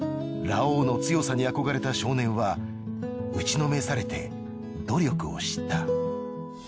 ラオウの強さに憧れた少年は打ちのめされて努力を知った。